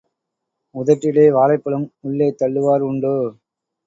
உதட்டிலே வாழைப்பழம் உள்ளே தள்ளுவார் உண்டோ?